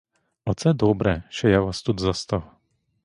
Оце добре, що я вас тут застав.